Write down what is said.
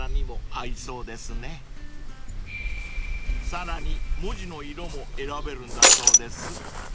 ［さらに文字の色も選べるんだそうです］